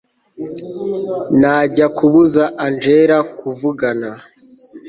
najya kubuza angella kuvugana